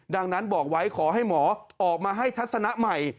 ดังนั้นบอกไว้ขอให้หมอออกมาให้ทัศนะใหม่